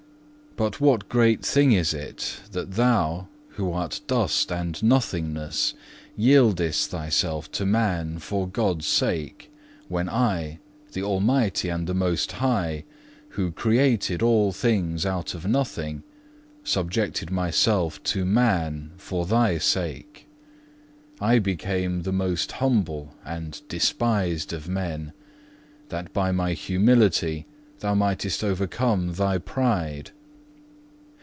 2. "But what great thing is it that thou, who art dust and nothingness, yieldest thyself to man for God's sake, when I, the Almighty and the Most High, who created all things out of nothing, subjected Myself to man for thy sake? I became the most humble and despised of men, that by My humility thou mightest overcome thy pride.